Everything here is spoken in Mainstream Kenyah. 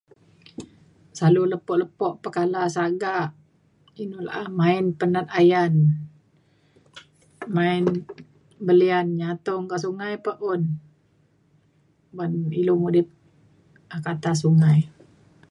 selalu lepo lepo pekala sagak inu la’a main penat ayan main belian nyatung kak sungai pa un ban ilu mudip um kata sungai